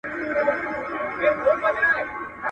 بس که! آسمانه نور یې مه زنګوه.